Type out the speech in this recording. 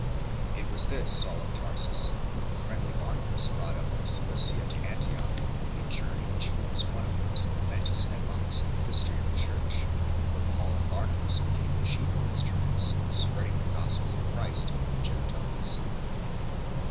It was this Saul of Tarsus whom the friendly Barna bas brought up from Cilicia to Antioch, a journey which forms one of the most momentous epochs in the history of the Church ; for Paul and Barnabas became the chief instruments in spreading the gospel of Christ among the Gentiles.